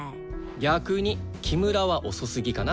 逆に木村は遅すぎかな。